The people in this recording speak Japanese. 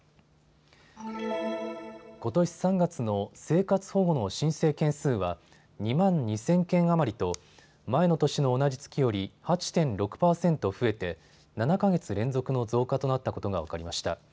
ことし３月の生活保護の申請件数は２万２０００件余りと前の年の同じ月より８．６％増えて７か月連続の増加となったことが分かりました。